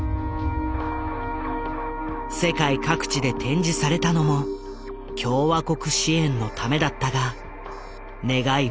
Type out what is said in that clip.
世界各地で展示されたのも共和国支援のためだったが願い